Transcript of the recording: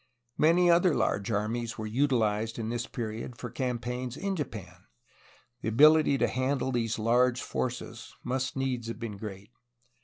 Many other large armies were utilized in this period for campaigns in Japan. The ability to handle these large forces must needs have been great.